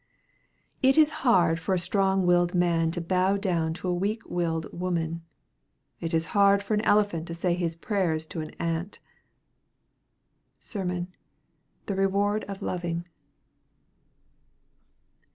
It is hard for a strong willed man to bow down to a weak willed man. It is hard for an elephant to say his prayers to an ant. SERMON: 'The Reward of Loving.'